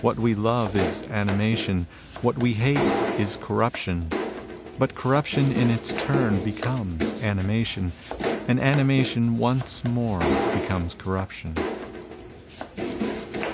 What we love is animation. What we hate is corruption. But corruption in its turn becomes animation, and animation once more becomes corruption.